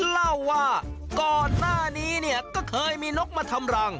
เล่าว่าก่อนหน้านี้เนี่ยก็เคยมีนกมาทำรัง